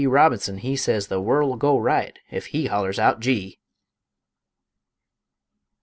Robinson he Sez the world'll go right, ef he hollers out Gee!